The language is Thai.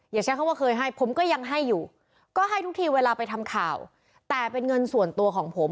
อย่าใช้คำว่าเคยให้ผมก็ยังให้อยู่ก็ให้ทุกทีเวลาไปทำข่าวแต่เป็นเงินส่วนตัวของผม